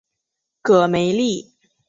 戈梅利。